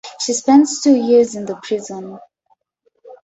She spends two years in the prison.